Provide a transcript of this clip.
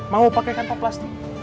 mau pakai kantor plastik